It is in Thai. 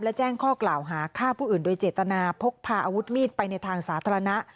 และแจ้งข้อกล่าวหาฆ่าผู้อื่นโดยเจตนาพกพาอาวุธมีดไปในทางสาธารณะ